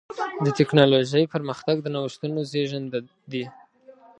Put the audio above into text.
د ټکنالوجۍ پرمختګ د نوښتونو زېږنده دی.